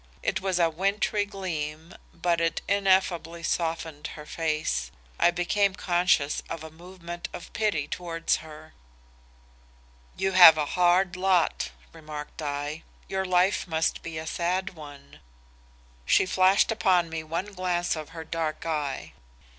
It was a wintry gleam but it ineffably softened her face. I became conscious of a movement of pity towards her. "'You have a hard lot,' remarked I. 'Your life must be a sad one.' "She flashed upon me one glance of her dark eye.